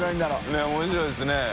ねぇ面白いですね。